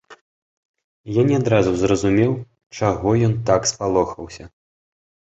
Я не адразу зразумеў, чаго ён так спалохаўся.